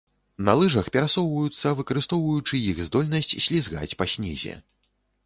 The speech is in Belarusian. На лыжах перасоўваюцца, выкарыстоўваючы іх здольнасць слізгаць па снезе.